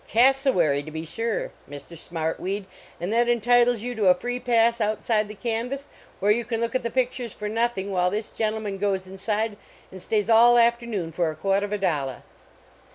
Cassowary, to be sure, Mr. Smartweed, and that entitles you to a free pass outside the canvas where you can look at the pictures for nothing while this gentle man goes inside and stays all afternoon for a quatovadollah.